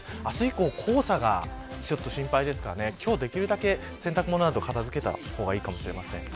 明日以降、黄砂が心配ですから今日できるだけ洗濯物など片付けた方がいいかもしれません。